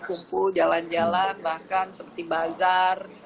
kumpul jalan jalan bahkan seperti bazar